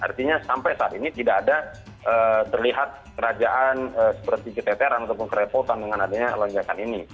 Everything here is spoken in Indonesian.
artinya sampai saat ini tidak ada terlihat kerajaan seperti keteteran ataupun kerepotan dengan adanya lonjakan ini